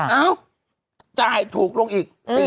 เอ้าถูกลงอีก